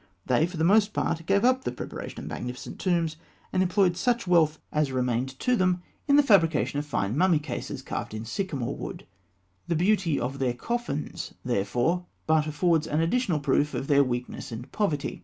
They for the most part gave up the preparation of magnificent tombs, and employed such wealth as remained to them in the fabrication of fine mummy cases carved in sycamore wood. The beauty of their coffins, therefore, but affords an additional proof of their weakness and poverty.